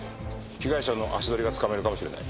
被害者の足取りがつかめるかもしれない。